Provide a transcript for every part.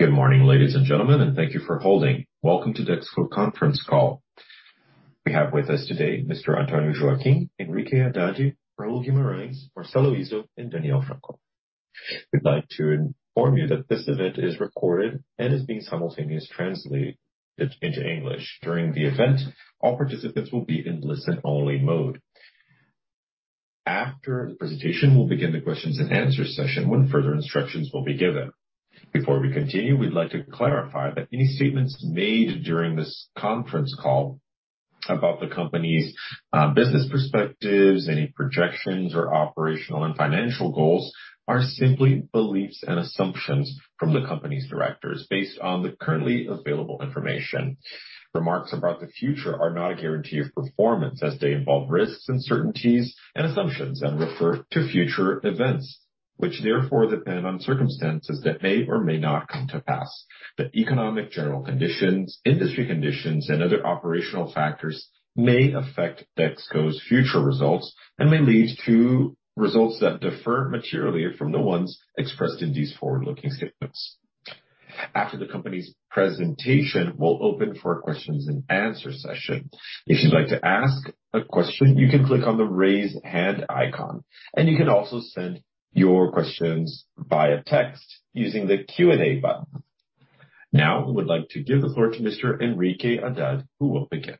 Good morning, ladies and gentlemen, and thank you for holding. Welcome to the Dexco conference call. We have with us today Mr. Antonio Joaquim, Enrique Haddad, Raul Guimarães, Marcelo Izzo, and Daniel Franco. We'd like to inform you that this event is recorded and is being simultaneously translated into English. During the event, all participants will be in listen-only mode. After the presentation, we'll begin the questions and answer session when further instructions will be given. Before we continue, we'd like to clarify that any statements made during this conference call about the company's business perspectives, any projections or operational and financial goals are simply beliefs and assumptions from the company's directors, based on the currently available information. Remarks about the future are not a guarantee of performance as they involve risks, uncertainties, and assumptions, and refer to future events, which therefore depend on circumstances that may or may not come to pass. The economic general conditions, industry conditions, and other operational factors may affect Dexco's future results and may lead to results that differ materially from the ones expressed in these forward-looking statements. After the company's presentation, we'll open for questions and answer session. If you'd like to ask a question, you can click on the Raise Hand icon, and you can also send your questions via text using the Q&A button. Now, we would like to give the floor to Mr. Carlos Henrique Pinto Haddad, who will begin.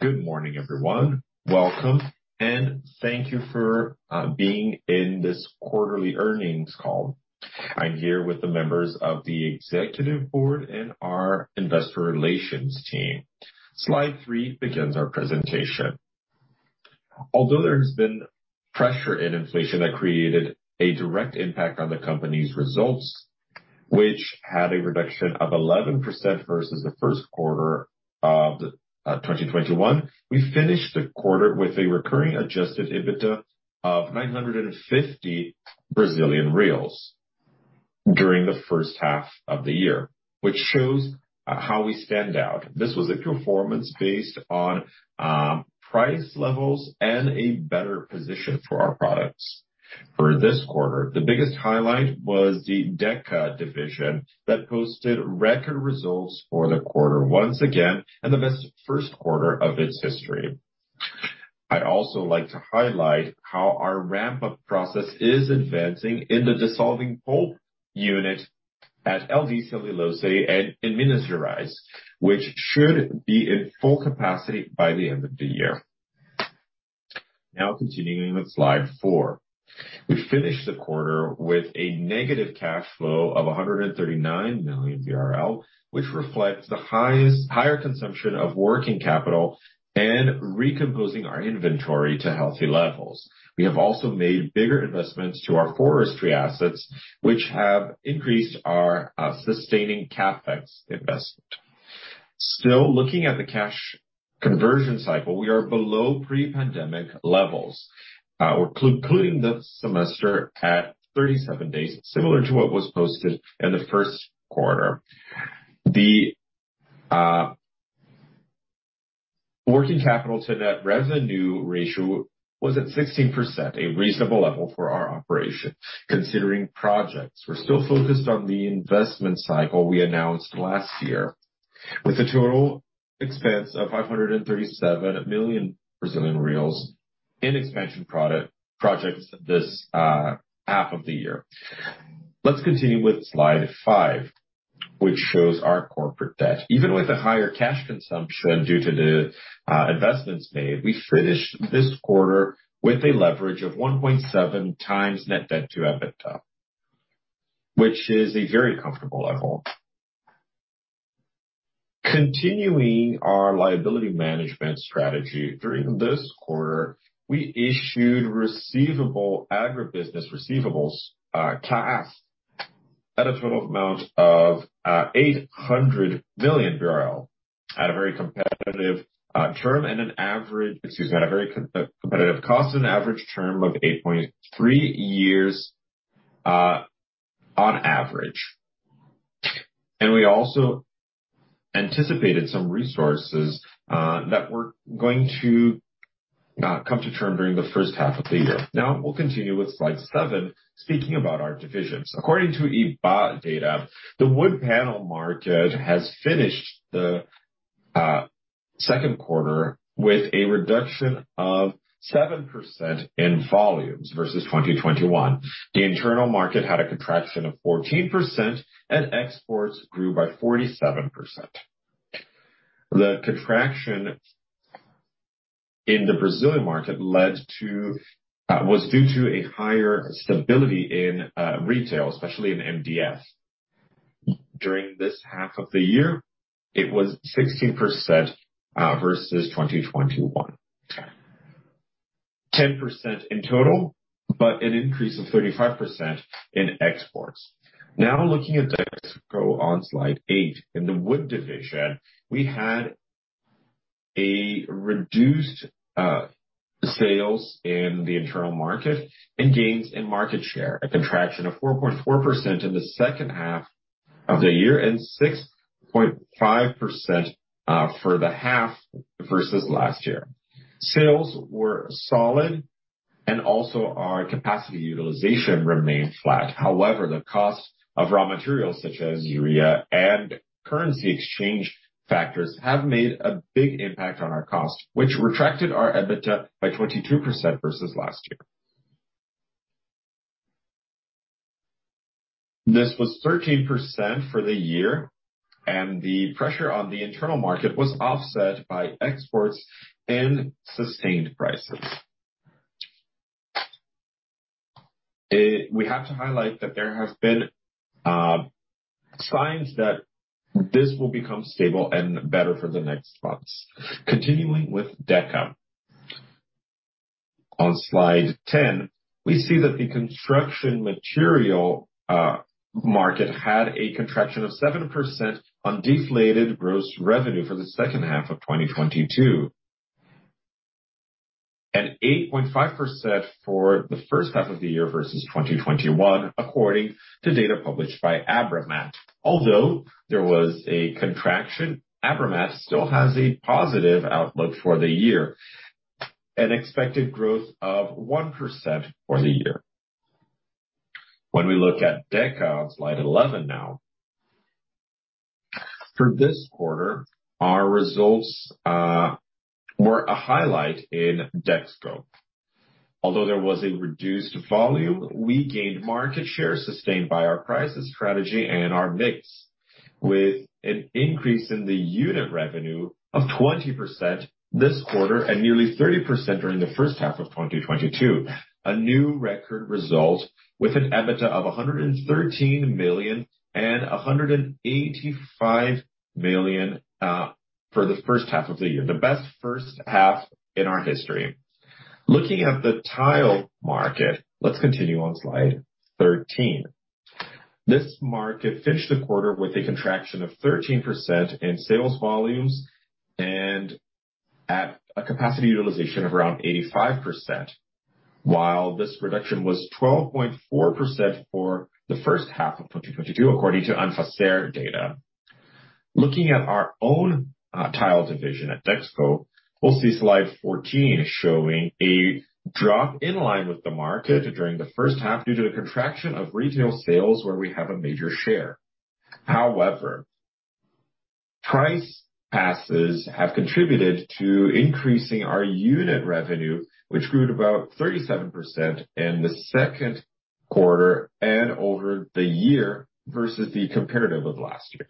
Good morning, everyone. Welcome, and thank you for being in this quarterly earnings call. I'm here with the members of the executive board and our investor relations team. Slide three begins our presentation. Although there has been pressure in inflation that created a direct impact on the company's results, which had a reduction of 11% versus the first quarter of 2021, we finished the quarter with a recurring adjusted EBITDA of 950 Brazilian reais during the first half of the year, which shows how we stand out. This was a performance based on price levels and a better position for our products. For this quarter, the biggest highlight was the Deca division that posted record results for the quarter once again, and the best first quarter of its history. I'd also like to highlight how our ramp-up process is advancing in the dissolving pulp unit at LD Celulose and in Ministro Reis, which should be at full capacity by the end of the year. Now continuing with slide four. We finished the quarter with a negative cash flow of 139 million, which reflects higher consumption of working capital and recomposing our inventory to healthy levels. We have also made bigger investments to our forestry assets, which have increased our sustaining CapEx investment. Still looking at the cash conversion cycle, we are below pre-pandemic levels. We're closing the semester at 37 days, similar to what was posted in the first quarter. The working capital to net revenue ratio was at 16%, a reasonable level for our operation, considering projects. We're still focused on the investment cycle we announced last year with a total expense of 537 million Brazilian reais in expansion projects this half of the year. Let's continue with slide five, which shows our corporate debt. Even with a higher cash consumption due to the investments made, we finished this quarter with a leverage of 1.7 times net debt to EBITDA, which is a very comfortable level. Continuing our liability management strategy, during this quarter, we issued agribusiness receivables CRAs at a total amount of 800 million BRL at a very competitive cost and average term of 8.3 years, on average. We also anticipated some resources that were going to come to term during the first half of the year. Now we'll continue with slide seven, speaking about our divisions. According to Ibá data, the wood panel market has finished the second quarter with a reduction of 7% in volumes versus 2021. The internal market had a contraction of 14%, and exports grew by 47%. The contraction in the Brazilian market was due to a higher stability in retail, especially in MDF. During this half of the year, it was 16% versus 2021. 10% in total, but an increase of 35% in exports. Now looking at Dexco on slide eight. In the wood division, we had reduced sales in the internal market and gains in market share, a contraction of 4.4% in the second half of the year and 6.5% for the half versus last year. Sales were solid and also our capacity utilization remained flat. However, the cost of raw materials such as urea and currency exchange factors have made a big impact on our cost, which retracted our EBITDA by 22% versus last year. This was 13% for the year, and the pressure on the internal market was offset by exports and sustained prices. We have to highlight that there has been signs that this will become stable and better for the next months. Continuing with Deca. On slide 10, we see that the construction material market had a contraction of 7% on deflated gross revenue for the second half of 2022. 8.5% for the first half of the year versus 2021, according to data published by ABRAMAT. Although there was a contraction, ABRAMAT still has a positive outlook for the year, an expected growth of 1% for the year. When we look at Deca on slide 11 now. For this quarter, our results were a highlight in Dexco. Although there was a reduced volume, we gained market share sustained by our pricing strategy and our mix, with an increase in the unit revenue of 20% this quarter and nearly 30% during the first half of 2022. A new record result with an EBITDA of 113 million and 185 million for the first half of the year. The best first half in our history. Looking at the tile market, let's continue on slide 13. This market finished the quarter with a contraction of 13% in sales volumes and at a capacity utilization of around 85%, while this reduction was 12.4% for the first half of 2022, according to Anfacer data. Looking at our own, tiles division at Dexco, we'll see slide 14 showing a drop in line with the market during the first half due to the contraction of retail sales where we have a major share. However, price passes have contributed to increasing our unit revenue, which grew at about 37% in the second quarter and over the year versus the comparative of last year.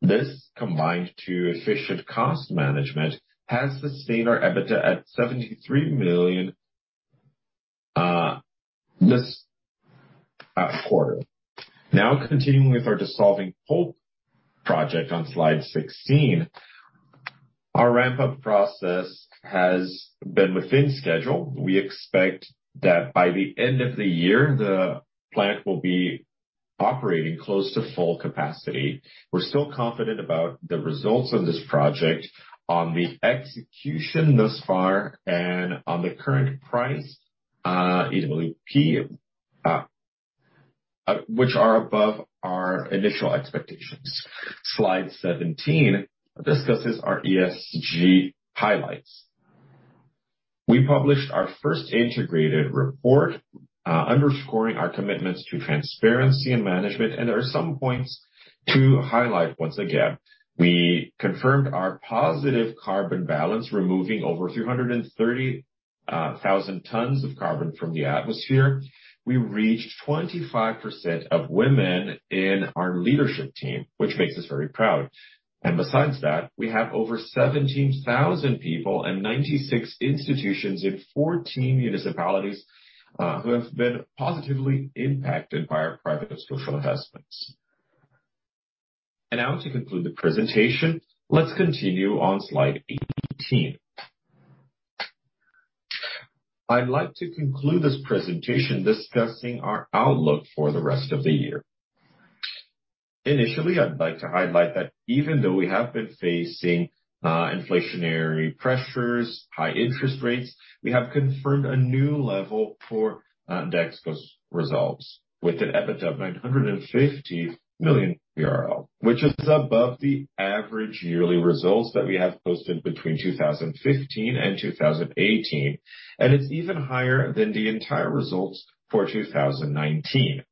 This, combined to efficient cost management, has sustained our EBITDA at 73 million this quarter. Now continuing with our Dissolving Pulp project on slide 16. Our ramp-up process has been within schedule. We expect that by the end of the year, the plant will be operating close to full capacity. We're still confident about the results of this project on the execution thus far and on the current price, DWP, which are above our initial expectations. Slide 17 discusses our ESG highlights. We published our first integrated report, underscoring our commitments to transparency and management, and there are some points to highlight once again. We confirmed our positive carbon balance, removing over 330,000 tons of carbon from the atmosphere. We reached 25% of women in our leadership team, which makes us very proud. Besides that, we have over 17,000 people and 96 institutions in 14 municipalities, who have been positively impacted by our private social investments. Now to conclude the presentation, let's continue on slide 18. I'd like to conclude this presentation discussing our outlook for the rest of the year. Initially, I'd like to highlight that even though we have been facing inflationary pressures, high interest rates, we have confirmed a new level for DXCO's results with an EBITDA of 950 million, which is above the average yearly results that we have posted between 2015 and 2018. It's even higher than the entire results for 2019.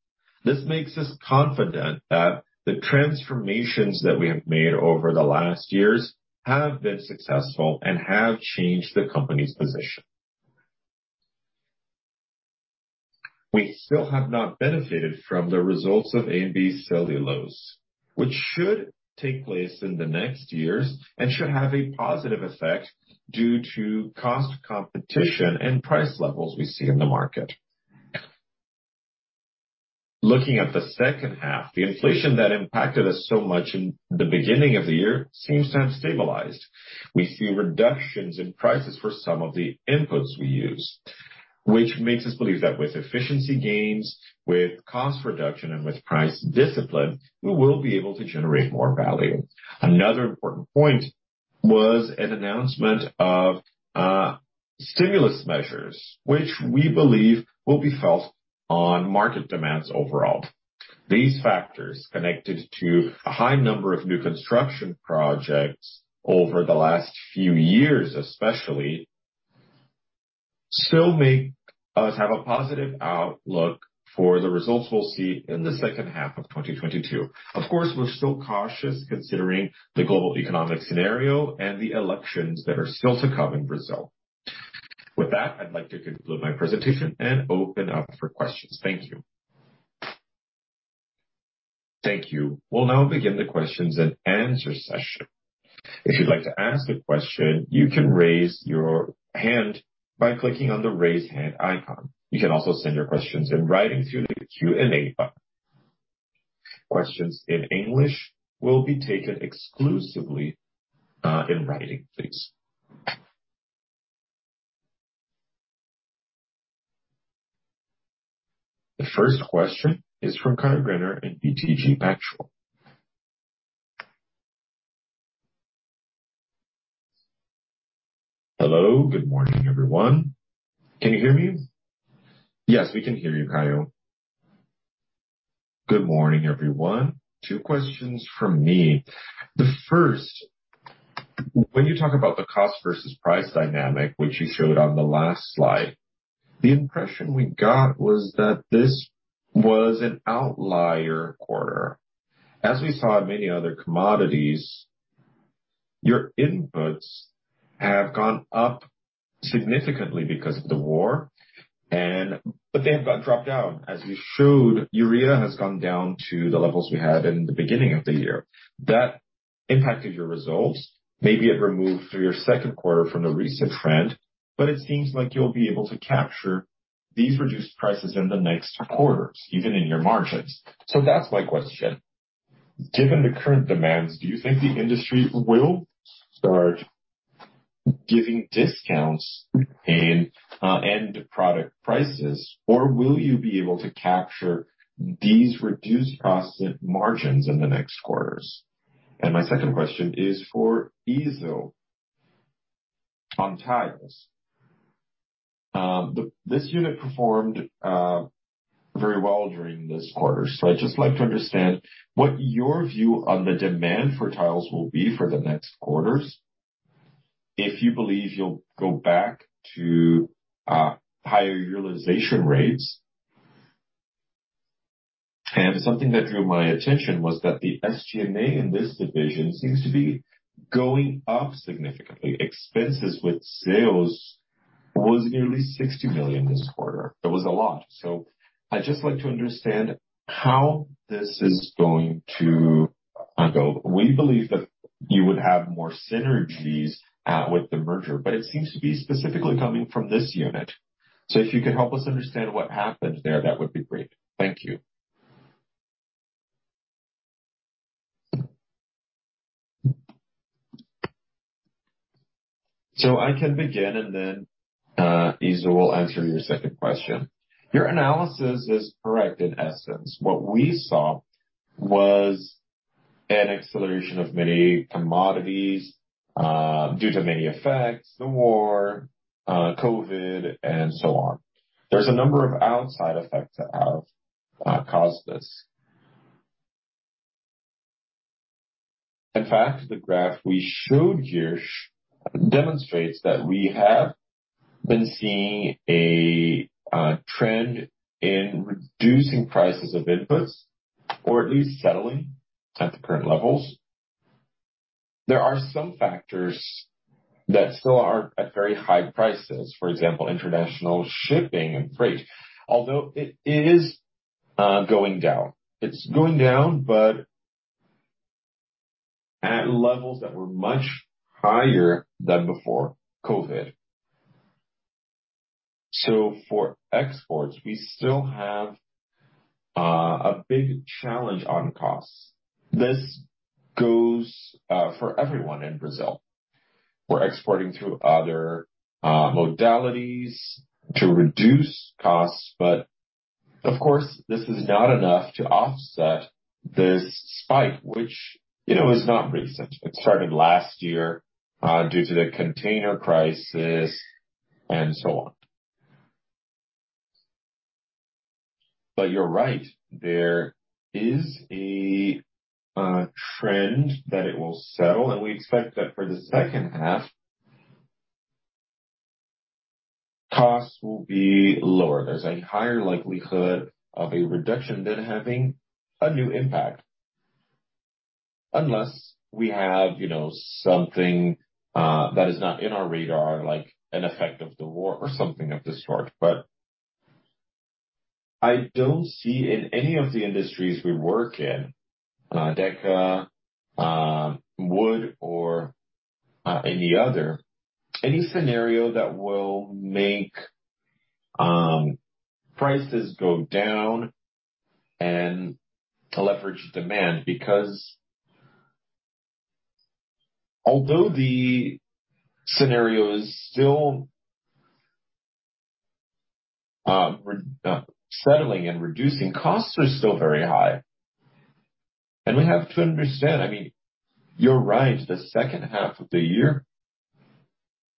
This makes us confident that the transformations that we have made over the last years have been successful and have changed the company's position. We still have not benefited from the results of LD Celulose, which should take place in the next years and should have a positive effect due to cost competition and price levels we see in the market. Looking at the second half, the inflation that impacted us so much in the beginning of the year seems to have stabilized. We see reductions in prices for some of the inputs we use, which makes us believe that with efficiency gains, with cost reduction, and with price discipline, we will be able to generate more value. Another important point was an announcement of stimulus measures, which we believe will be felt on market demands overall. These factors connected to a high number of new construction projects over the last few years, especially, still make us have a positive outlook for the results we'll see in the second half of 2022. Of course, we're still cautious considering the global economic scenario and the elections that are still to come in Brazil. With that, I'd like to conclude my presentation and open up for questions. Thank you. Thank you. We'll now begin the questions and answer session. If you'd like to ask a question, you can raise your hand by clicking on the Raise Hand icon. You can also send your questions in writing through the Q&A button. Questions in English will be taken exclusively in writing, please. The first question is from Caio Greiner in BTG Pactual. Hello. Good morning, everyone. Can you hear me? Yes, we can hear you, Caio. Good morning, everyone. Two questions from me. The first, when you talk about the cost versus price dynamic which you showed on the last slide, the impression we got was that this was an outlier quarter. As we saw in many other commodities, your inputs have gone up significantly because of the war but they have got dropped down. As you showed, urea has gone down to the levels we had in the beginning of the year. That impacted your results. Maybe it removed through your second quarter from the recent trend, but it seems like you'll be able to capture these reduced prices in the next quarters, even in your margins. That's my question. Given the current demands, do you think the industry will start giving discounts in end product prices, or will you be able to capture these reduced costs and margins in the next quarters? My second question is for Izzo on tiles. This unit performed very well during this quarter. I'd just like to understand what your view on the demand for tiles will be for the next quarters. If you believe you'll go back to higher utilization rates. Something that drew my attention was that the SG&A in this division seems to be going up significantly. Expenses with sales was nearly 60 million this quarter. It was a lot. I'd just like to understand how this is going to unfold. We believe that you would have more synergies with the merger, but it seems to be specifically coming from this unit. If you could help us understand what happened there, that would be great. Thank you. I can begin and then Izzo will answer your second question. Your analysis is correct in essence. What we saw was an acceleration of many commodities due to many effects, the war, COVID, and so on. There's a number of outside effects that have caused this. In fact, the graph we showed here demonstrates that we have been seeing a trend in reducing prices of inputs, or at least settling at the current levels. There are some factors that still are at very high prices, for example, international shipping and freight. Although it is going down. It's going down, but at levels that were much higher than before COVID. For exports, we still have a big challenge on costs. This goes for everyone in Brazil. We're exporting through other modalities to reduce costs, but of course, this is not enough to offset this spike, which, you know, is not recent. It started last year due to the container crisis and so on. You're right. There is a trend that it will settle, and we expect that for the second half, costs will be lower. There's a higher likelihood of a reduction than having a new impact. Unless we have, you know, something that is not in our radar, like an effect of the war or something of this sort. I don't see in any of the industries we work in, Deca, wood or any other, any scenario that will make prices go down and leverage demand because although the scenario is still resettling and reducing costs are still very high. We have to understand, I mean, you're right, the second half of the year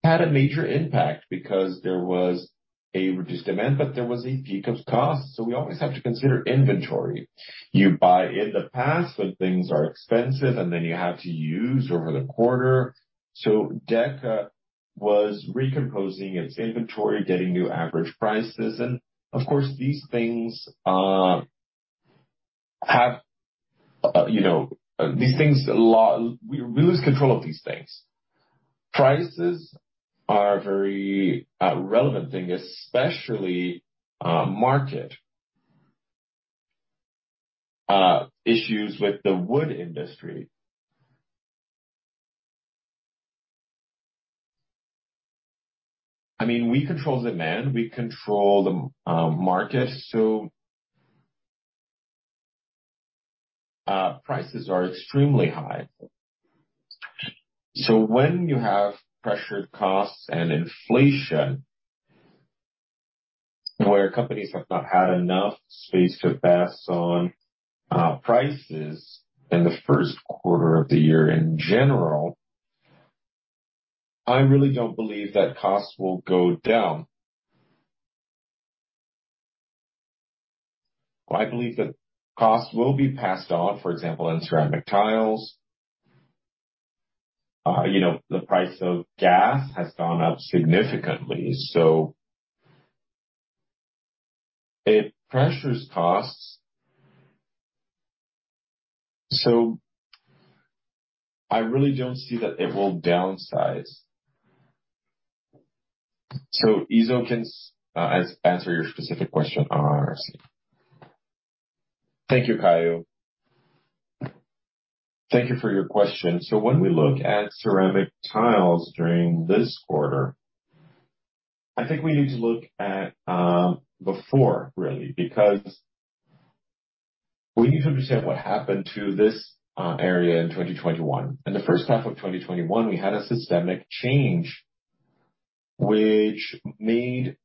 had a major impact because there was a reduced demand, but there was a peak of costs. We always have to consider inventory. You buy in the past when things are expensive and then you have to use over the quarter. Dexco was recomposing its inventory, getting new average prices. Of course, these things have, you know, these things a lot. We lose control of these things. Prices are a very relevant thing, especially market issues with the wood industry. I mean, we control demand, we control the market, so prices are extremely high. When you have pressured costs and inflation where companies have not had enough space to pass on prices in the first quarter of the year in general, I really don't believe that costs will go down. I believe that costs will be passed on, for example, in ceramic tiles. You know, the price of gas has gone up significantly, so it pressures costs. I really don't see that it will downsize. Izzo can answer your specific question on RC. Thank you, Caio. Thank you for your question. When we look at ceramic tiles during this quarter, I think we need to look at before really, because we need to understand what happened to this area in 2021. In the first half of 2021, we had a systemic change which made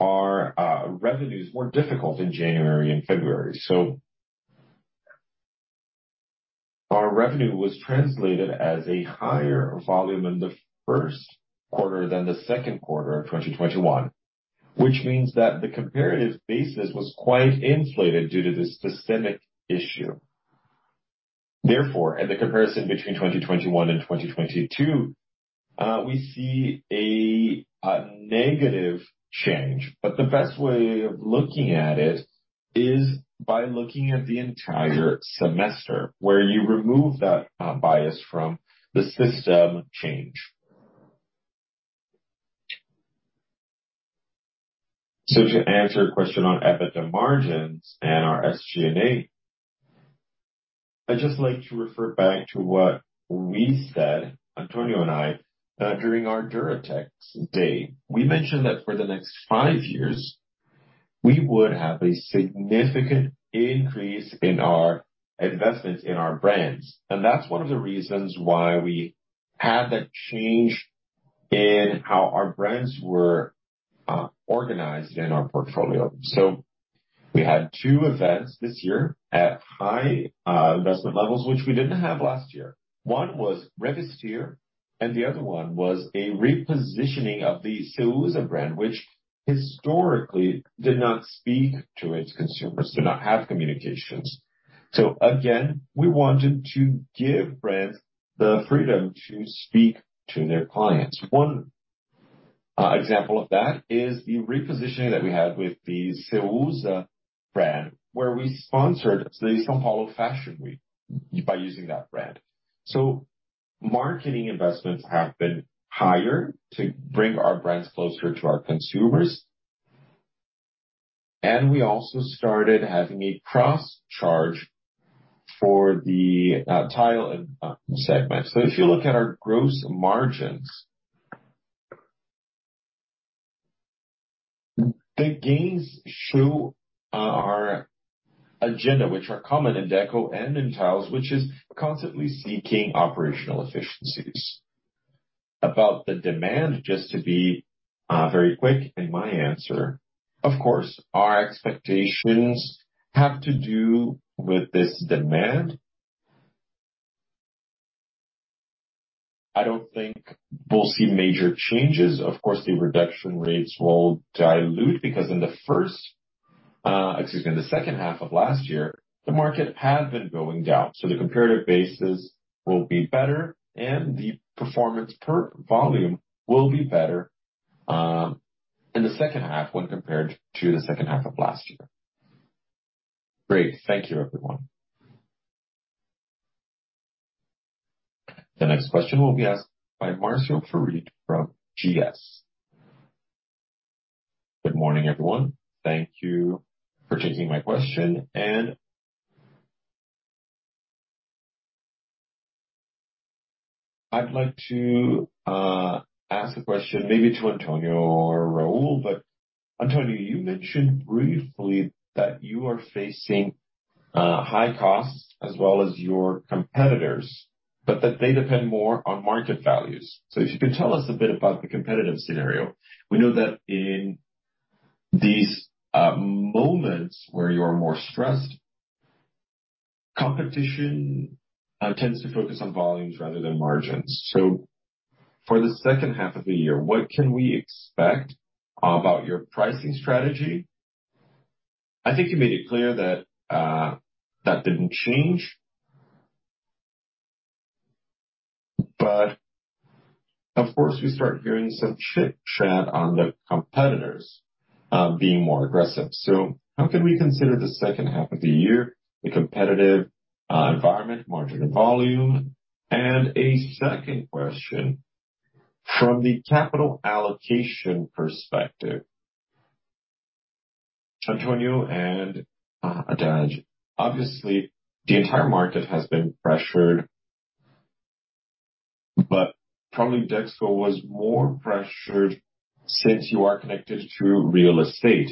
our revenues more difficult in January and February. Our revenue was translated as a higher volume in the first quarter than the second quarter of 2021, which means that the comparative basis was quite inflated due to the systemic issue. Therefore, in the comparison between 2021 and 2022, we see a negative change. The best way of looking at it is by looking at the entire semester where you remove that bias from the system change. To answer your question on EBITDA margins and our SG&A, I'd just like to refer back to what we said, Antonio and I, during our Dexco Day. We mentioned that for the next five years, we would have a significant increase in our investments in our brands. That's one of the reasons why we had that change in how our brands were organized in our portfolio. We had two events this year at high investment levels, which we didn't have last year. One was Expo Revestir, and the other one was a repositioning of the Ceusa brand, which historically did not speak to its consumers, did not have communications. Again, we wanted to give brands the freedom to speak to their clients. One example of that is the repositioning that we had with the Ceusa brand, where we sponsored the São Paulo Fashion Week by using that brand. Marketing investments have been higher to bring our brands closer to our consumers. We also started having a cross-charge for the tile segment. If you look at our gross margins, the gains show our agenda, which are common in Dexco and in tiles, which is constantly seeking operational efficiencies. About the demand, just to be very quick in my answer, of course, our expectations have to do with this demand. I don't think we'll see major changes. Of course, the reduction rates will dilute because in the second half of last year, the market had been going down. The comparative basis will be better, and the performance per volume will be better, in the second half when compared to the second half of last year. Great. Thank you, everyone. The next question will be asked by Márcio Farid from Goldman Sachs. Good morning, everyone. Thank you for taking my question. I'd like to ask a question maybe to Antonio Joaquim or Raul Guimarães. Antonio Joaquim, you mentioned briefly that you are facing high costs as well as your competitors, but that they depend more on market values. If you can tell us a bit about the competitive scenario. We know that in these moments where you're more stressed, competition tends to focus on volumes rather than margins. For the second half of the year, what can we expect about your pricing strategy? I think you made it clear that that didn't change. Of course, we start hearing some chit-chat on the competitors being more aggressive. How can we consider the second half of the year the competitive environment, margin to volume? And a second question. From the capital allocation perspective, Antonio and Haddad, obviously the entire market has been pressured, but probably Dexco was more pressured since you are connected to real estate.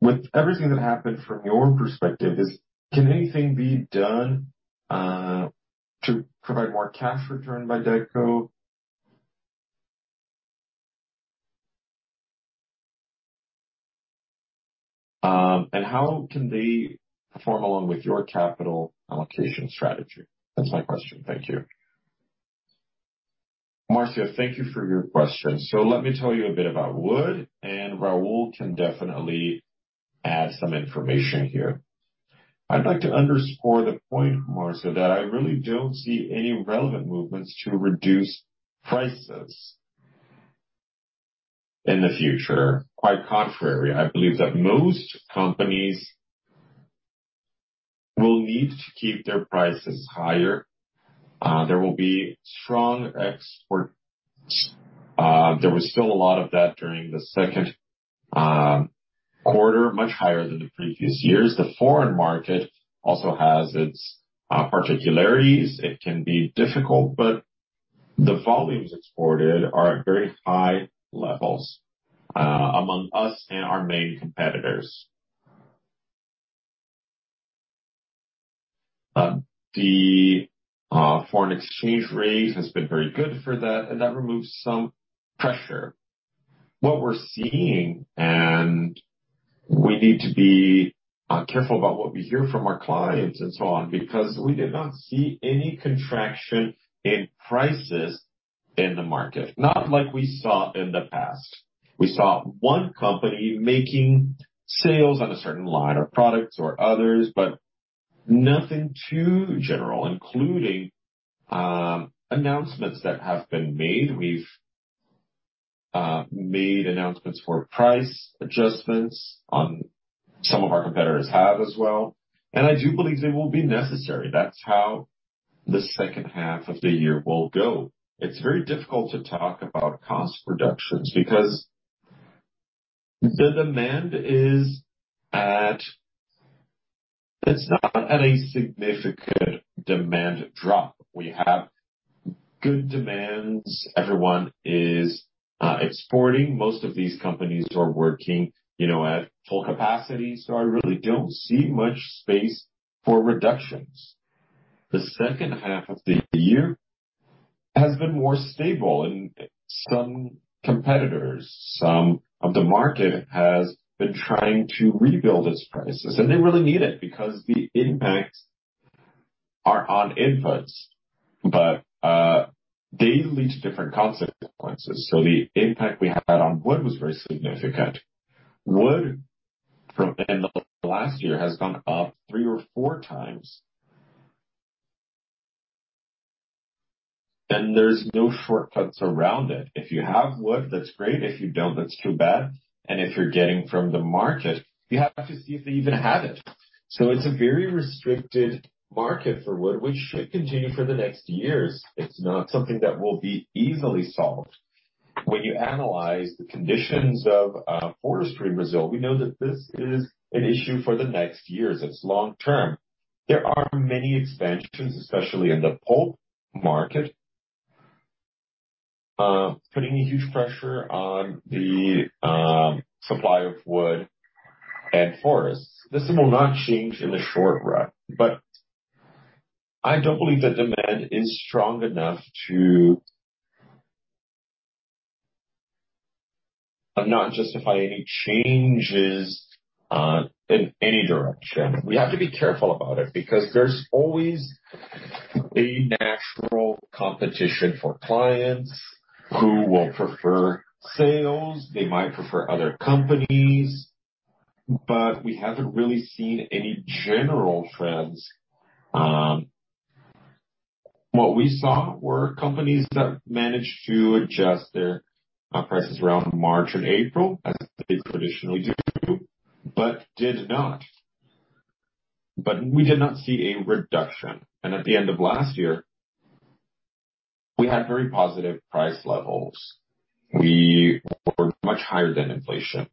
With everything that happened, from your perspective, can anything be done to provide more cash return by Dexco? And how can they perform along with your capital allocation strategy? That's my question. Thank you. Márcio, thank you for your question. Let me tell you a bit about wood, and Raul can definitely add some information here. I'd like to underscore the point, Márcio, that I really don't see any relevant movements to reduce prices in the future. Quite contrary, I believe that most companies will need to keep their prices higher. There will be strong export. There was still a lot of that during the second quarter, much higher than the previous years. The foreign market also has its particularities. It can be difficult, but the volumes exported are at very high levels among us and our main competitors. The foreign exchange rate has been very good for that, and that removes some pressure. What we're seeing, and we need to be careful about what we hear from our clients and so on, because we did not see any contraction in prices in the market, not like we saw in the past. We saw one company making sales on a certain line of products or others, but nothing too general, including announcements that have been made. We've made announcements for price adjustments. Some of our competitors have as well, and I do believe they will be necessary. That's how the second half of the year will go. It's very difficult to talk about cost reductions because the demand is. It's not at a significant demand drop. We have good demands. Everyone is exporting. Most of these companies are working, you know, at full capacity, so I really don't see much space for reductions. The second half of the year has been more stable and some competitors, some of the market has been trying to rebuild its prices, and they really need it because the impacts are on inputs, but they lead to different consequences. So the impact we had on wood was very significant. Wood from the end of last year has gone up three or four times. There's no shortcuts around it. If you have wood, that's great. If you don't, that's too bad. If you're getting from the market, you have to see if they even have it. It's a very restricted market for wood, which should continue for the next years. It's not something that will be easily solved. When you analyze the conditions of forestry in Brazil, we know that this is an issue for the next years. It's long-term. There are many expansions, especially in the pulp market, putting a huge pressure on the supply of wood and forests. This will not change in the short run, but I don't believe the demand is strong enough to but not justify any changes in any direction. We have to be careful about it because there's always a natural competition for clients who will prefer sales. They might prefer other companies, but we haven't really seen any general trends. What we saw were companies that managed to adjust their prices around March and April, as they traditionally do. But we did not see a reduction. At the end of last year, we had very positive price levels. We were much higher than inflation.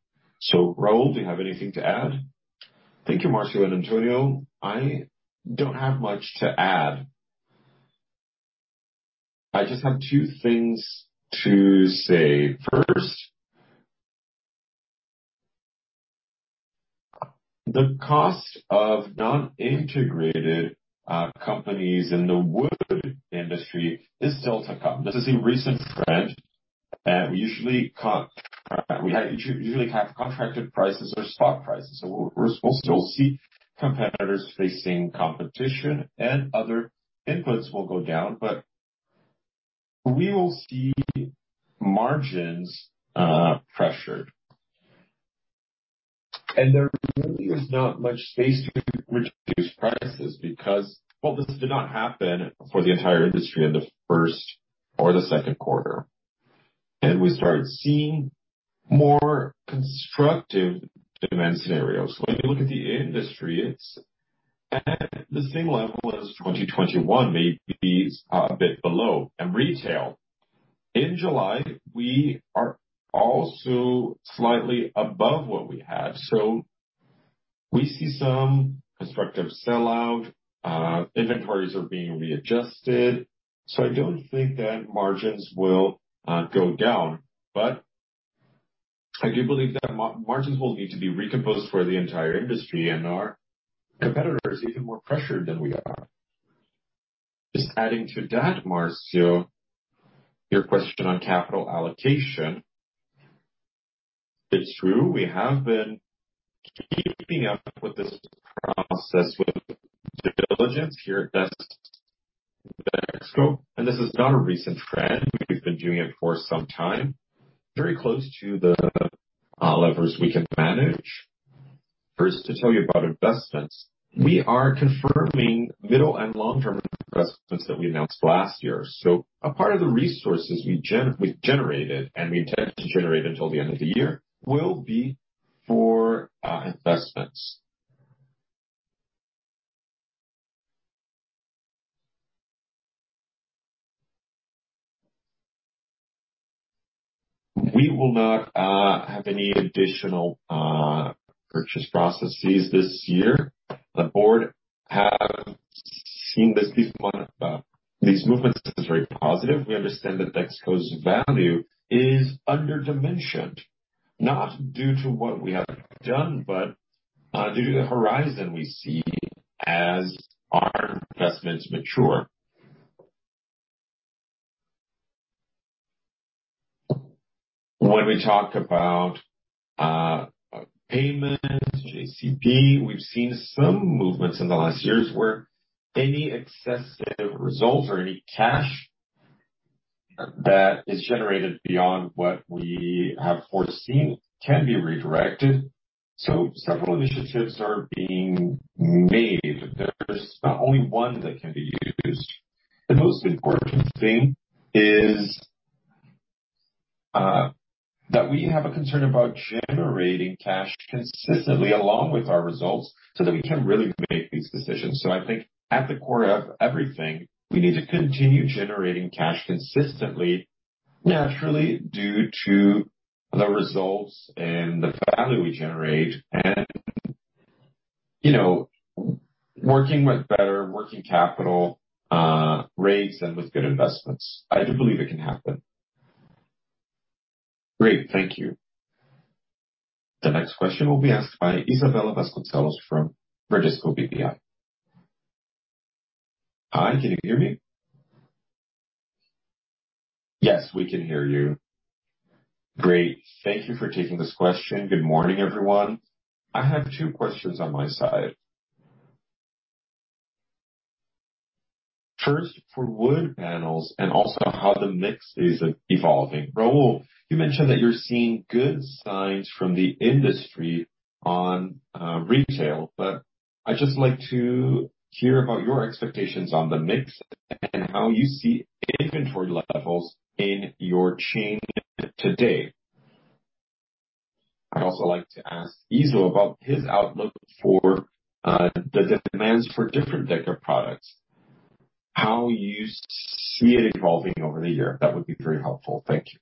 Raul, do you have anything to add? Thank you, Márcio and Antonio. I don't have much to add. I just have two things to say. First, the cost of non-integrated companies in the wood industry is still to come. This is a recent trend. We usually have contracted prices or spot prices. So we're still seeing competitors facing competition, and other inputs will go down, but we will see margins pressured. There really is not much space to reduce prices because, well, this did not happen for the entire industry in the first or the second quarter. We start seeing more constructive demand scenarios. When you look at the industry, it's at the same level as 2021, maybe a bit below in retail. In July, we are also slightly above what we had, so we see some constructive sellout. Inventories are being readjusted. I don't think that margins will go down, but I do believe that margins will need to be recomposed for the entire industry and our competitors even more pressured than we are. Just adding to that, Marcio, your question on capital allocation. It's true, we have been keeping up with this process with due diligence here in Mexico, and this is not a recent trend. We've been doing it for some time, very close to the levers we can manage. First, to tell you about investments. We are confirming middle and long-term investments that we announced last year. A part of the resources we've generated and we intend to generate until the end of the year will be for investments. We will not have any additional purchase processes this year. The board have seen these movements as very positive. We understand that Mexico's value is under-dimensioned, not due to what we have done, but due to the horizon we see as our investments mature. When we talk about payments, JCP, we've seen some movements in the last years where any excessive results or any cash that is generated beyond what we have foreseen can be redirected. Several initiatives are being made. There's not only one that can be used. The most important thing is, that we have a concern about generating cash consistently along with our results so that we can really make these decisions. I think at the core of everything, we need to continue generating cash consistently, naturally due to the results and the value we generate and, you know, working with better working capital, rates and with good investments. I do believe it can happen. Great. Thank you. The next question will be asked by Isabella Vasconcelos from Bradesco BBI. Hi, can you hear me? Yes, we can hear you. Great. Thank you for taking this question. Good morning, everyone. I have two questions on my side. First, for wood panels and also how the mix is evolving. Raul, you mentioned that you're seeing good signs from the industry on retail, but I'd just like to hear about your expectations on the mix and how you see inventory levels in your chain today. I'd also like to ask Izzo about his outlook for the demands for different decor products, how you see it evolving over the year. That would be very helpful. Thank you.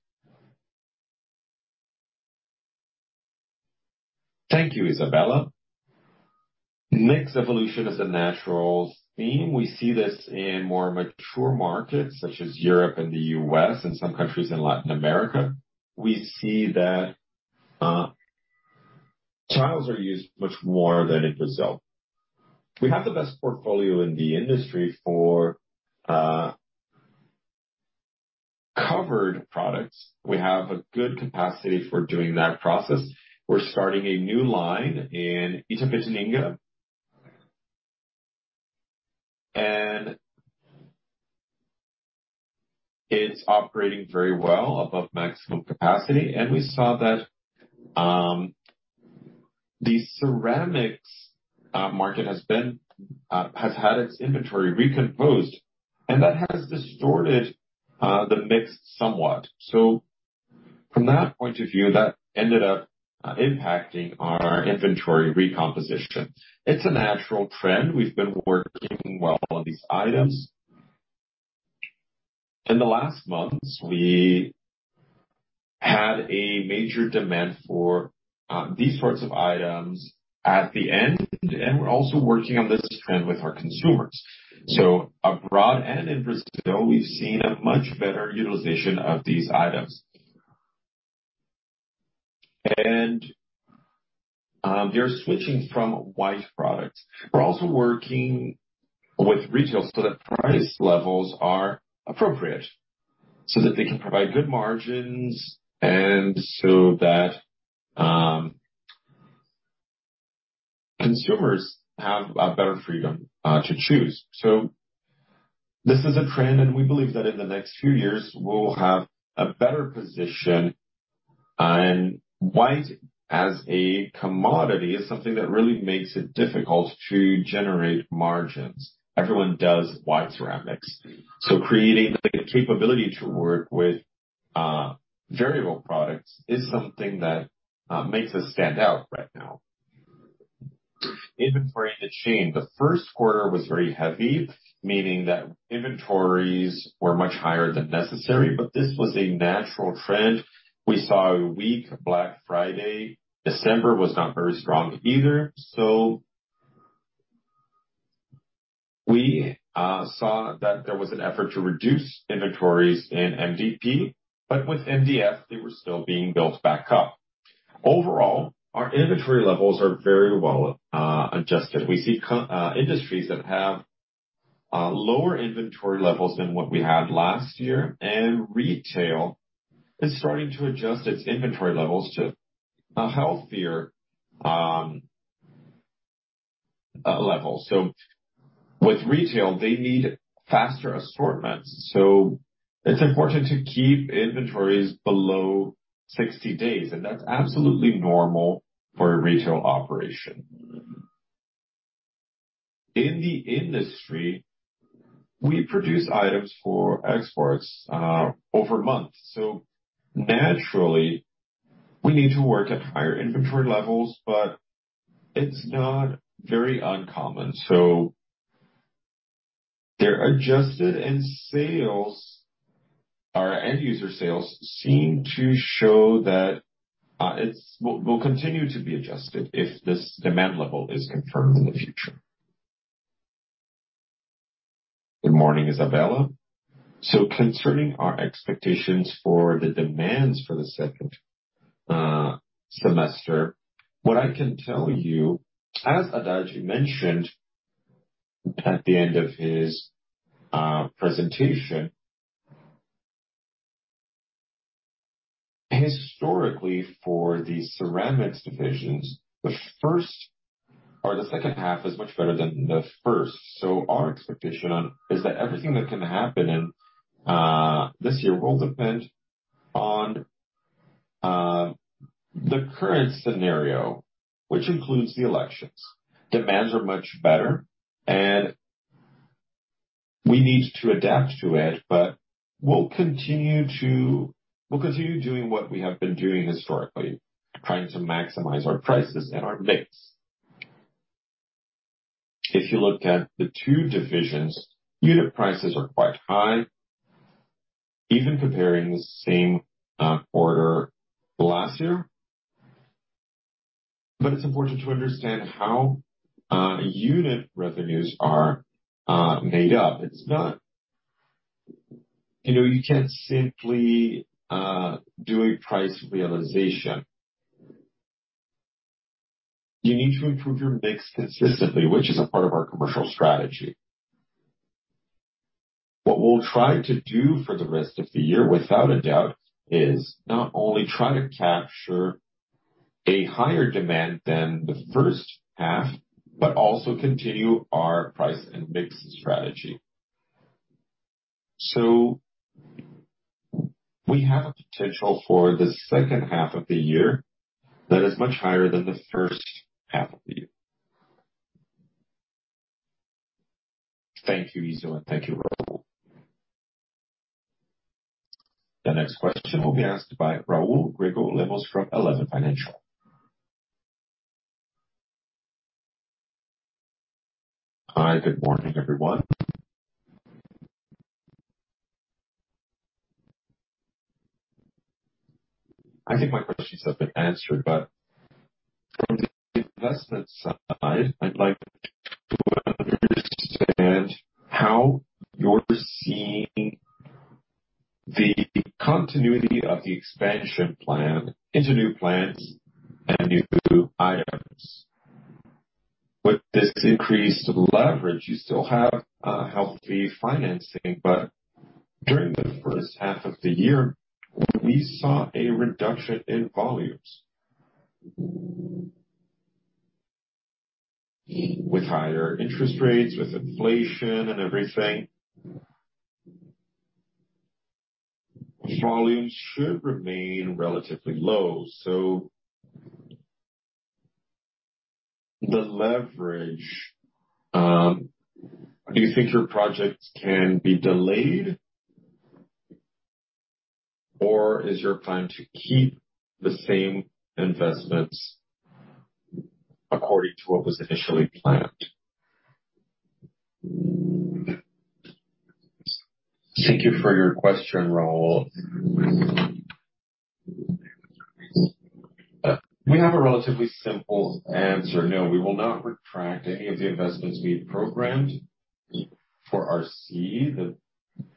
Thank you, Isabella. Mix evolution is a natural theme. We see this in more mature markets such as Europe and the U.S. and some countries in Latin America. We see that tiles are used much more than in Brazil. We have the best portfolio in the industry for covered products. We have a good capacity for doing that process. We're starting a new line in Itapetininga. It's operating very well above maximum capacity. We saw that the ceramics market has had its inventory recomposed, and that has distorted the mix somewhat. From that point of view, that ended up impacting our inventory recomposition. It's a natural trend. We've been working well on these items. In the last months, we had a major demand for these sorts of items at the end, and we're also working on this trend with our consumers. Abroad and in Brazil, we've seen a much better utilization of these items. They're switching from white products. We're also working with retail so that price levels are appropriate, so that they can provide good margins and so that consumers have a better freedom to choose. This is a trend, and we believe that in the next few years we'll have a better position. White as a commodity is something that really makes it difficult to generate margins. Everyone does white ceramics. Creating the capability to work with variable products is something that makes us stand out right now. Inventory in the chain. The first quarter was very heavy, meaning that inventories were much higher than necessary, but this was a natural trend. We saw a weak Black Friday. December was not very strong either. We saw that there was an effort to reduce inventories in MDP, but with MDF they were still being built back up. Overall, our inventory levels are very well adjusted. We see industries that have lower inventory levels than what we had last year, and retail is starting to adjust its inventory levels to a healthier level. With retail, they need faster assortments, so it's important to keep inventories below 60 days, and that's absolutely normal for a retail operation. In the industry, we produce items for exports over months, so naturally we need to work at higher inventory levels, but it's not very uncommon. They're adjusted, and sales, our end user sales seem to show that it will continue to be adjusted if this demand level is confirmed in the future. Good morning, Isabella. Concerning our expectations for the demands for the second semester, what I can tell you, as Haddad mentioned at the end of his presentation. Historically for the ceramics divisions, the first or the second half is much better than the first. Our expectation is that everything that can happen in this year will depend on the current scenario, which includes the elections. Demands are much better and we need to adapt to it, but we'll continue doing what we have been doing historically, trying to maximize our prices and our mix. If you look at the two divisions, unit prices are quite high, even comparing the same quarter last year. It's important to understand how unit revenues are made up. It's not. You know, you can't simply do a price realization. You need to improve your mix consistently, which is a part of our commercial strategy. What we'll try to do for the rest of the year, without a doubt, is not only try to capture a higher demand than the first half, but also continue our price and mix strategy. We have a potential for the second half of the year that is much higher than the first half of the year. Thank you, Isabel. Thank you, Raul. The next question will be asked by Raul Grego Lemes from Eleven Financial. Hi, good morning, everyone. I think my questions have been answered, but from the investment side, I'd like to understand how you're seeing the continuity of the expansion plan into new plants and new items. With this increased leverage, you still have a healthy financing, but during the first half of the year, we saw a reduction in volumes. With higher interest rates, with inflation and everything. Volumes should remain relatively low. The leverage, do you think your projects can be delayed? Or is your plan to keep the same investments according to what was initially planned? Thank you for your question, Raul. We have a relatively simple answer. No, we will not retract any of the investments we've programmed for RC. The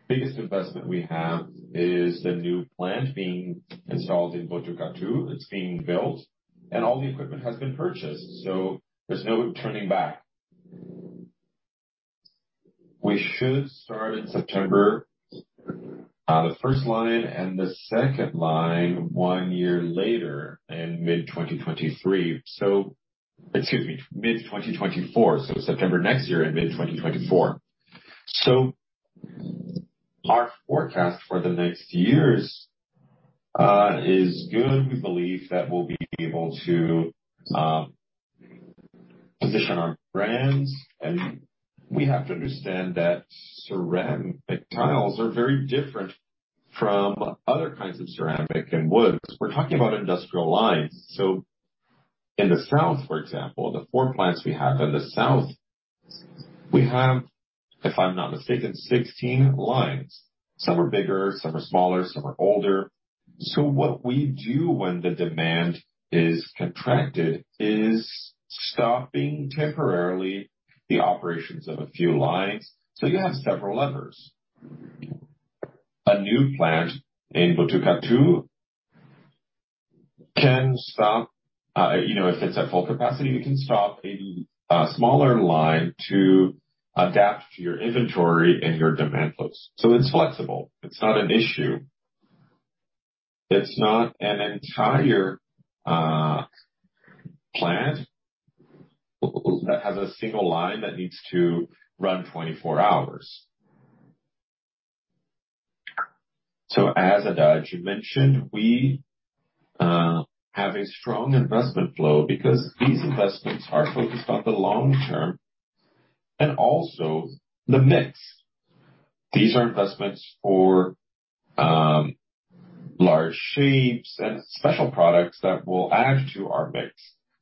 biggest investment we have is the new plant being installed in Botucatu. It's being built, and all the equipment has been purchased, so there's no turning back. We should start in September, the first line and the second line one year later in mid 2023. Excuse me, mid 2024. September next year in mid 2024. Our forecast for the next years is good. We believe that we'll be able to position our brands. We have to understand that ceramic tiles are very different from other kinds of ceramic and woods. We're talking about industrial lines. In the South, for example, the 4 plants we have in the South, we have, if I'm not mistaken, 16 lines. Some are bigger, some are smaller, some are older. What we do when the demand is contracted is stopping temporarily the operations of a few lines. You have several levers. A new plant in Botucatu can stop, if it's at full capacity, we can stop a smaller line to adapt your inventory and your demand flows. It's flexible. It's not an issue. It's not an entire plant that has a single line that needs to run 24 hours. Haddad, you mentioned, we have a strong investment flow because these investments are focused on the long term and also the mix. These are investments for large shapes and special products that will add to our mix.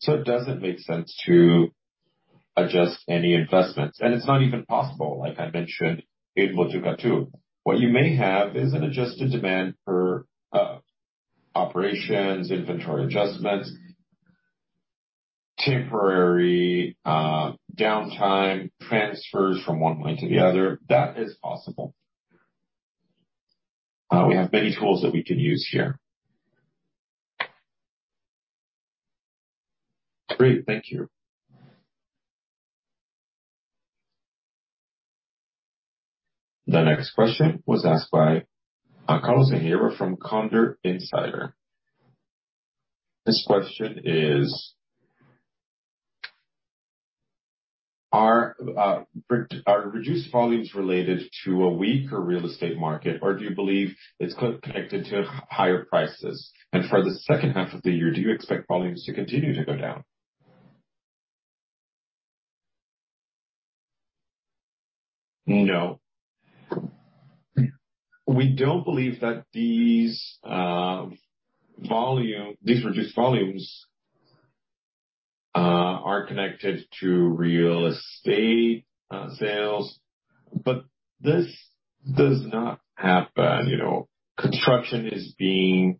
It doesn't make sense to adjust any investments. It's not even possible, like I mentioned, in Botucatu. What you may have is an adjusted demand for operations, inventory adjustments, temporary downtime, transfers from one line to the other. That is possible. We have many tools that we can use here. Great. Thank you. The next question was asked by Carlos Herrera from Condor Insider. This question is, Are reduced volumes related to a weaker real estate market, or do you believe it's connected to higher prices? For the second half of the year, do you expect volumes to continue to go down? No. We don't believe that these reduced volumes are connected to real estate sales, but this does not happen. You know, construction is being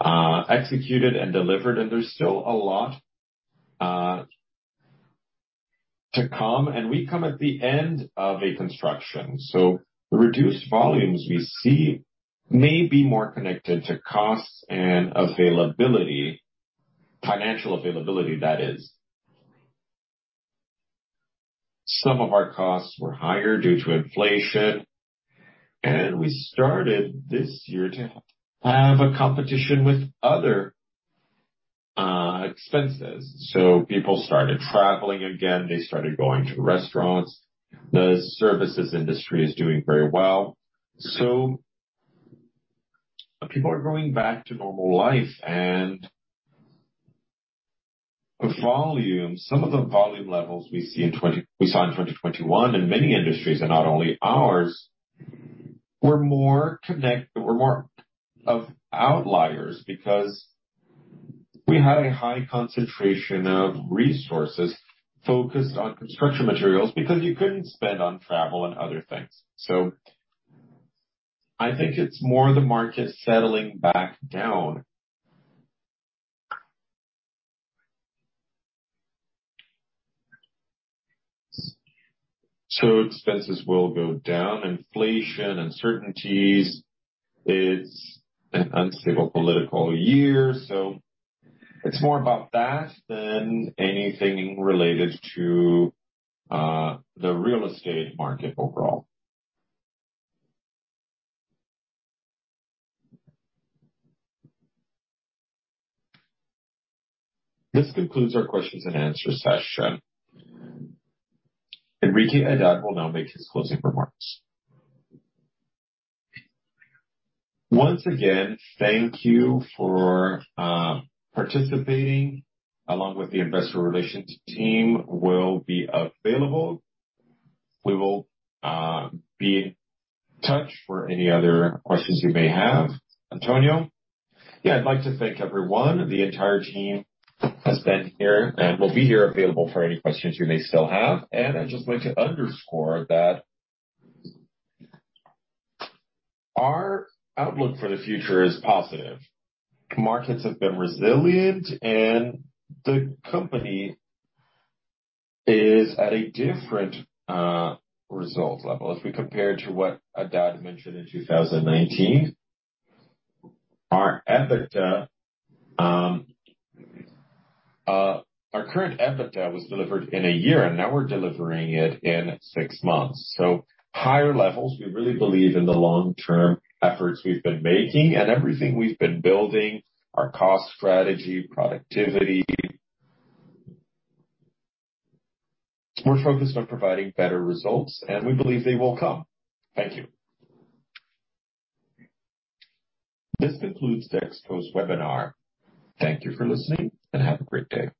executed and delivered, and there's still a lot to come, and we come at the end of a construction. Reduced volumes we see may be more connected to costs and availability, financial availability, that is. Some of our costs were higher due to inflation, and we started this year to have a competition with other expenses. People started traveling again, they started going to restaurants. The services industry is doing very well. People are going back to normal life. The volume, some of the volume levels we saw in 2021 in many industries and not only ours, were more of outliers because we had a high concentration of resources focused on construction materials because you couldn't spend on travel and other things. I think it's more the market settling back down. Expenses will go down. Inflation, uncertainties. It's an unstable political year, so it's more about that than anything related to the real estate market overall. This concludes our questions and answer session. Enrique Haddad will now make his closing remarks. Once again, thank you for participating. The investor relations team will be available. We will be in touch for any other questions you may have. Antonio. Yeah. I'd like to thank everyone. The entire team has been here and will be here available for any questions you may still have. I'd just like to underscore that our outlook for the future is positive. Markets have been resilient, and the company is at a different, result level. If we compare to what Haddad mentioned in 2019, our EBITDA, our current EBITDA was delivered in a year, and now we're delivering it in six months. Higher levels. We really believe in the long-term efforts we've been making and everything we've been building, our cost strategy, productivity. We're focused on providing better results, and we believe they will come. Thank you. This concludes the Expo's webinar. Thank you for listening, and have a great day.